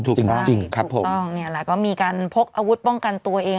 ถูกต้องจริงครับถูกต้องเนี่ยแหละก็มีการพกอาวุธป้องกันตัวเอง